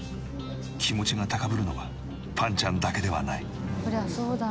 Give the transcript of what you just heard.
気持ちが高ぶるのはぱんちゃんだけではない。